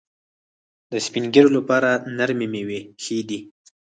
د سپین ږیرو لپاره نرمې میوې ښې دي.